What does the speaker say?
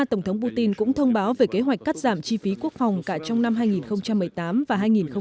tổng thống putin cũng thông báo về kế hoạch cắt giảm chi phí quốc phòng cả trong năm hai nghìn một mươi tám và hai nghìn một mươi chín